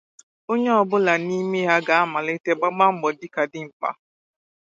onye ọbụla n'ime ha ga-amalite gbaba mbọ dịka dimkpa